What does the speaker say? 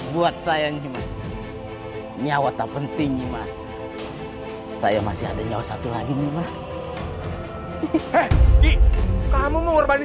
buat saya nyawa tak penting saya masih ada nyawa satu lagi nih mas kamu mengorbankan